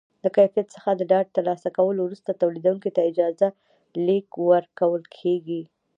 له کیفیت څخه د ډاډ ترلاسه کولو وروسته تولیدوونکي ته اجازه لیک ورکول کېږي.